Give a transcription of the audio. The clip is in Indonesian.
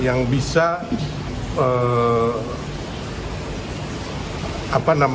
yang bisa pelanggaran pelanggaran itu